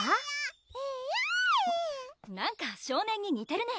なんか少年ににてるね？